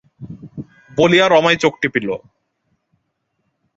বলিয়া রমাই চোখ টিপিল।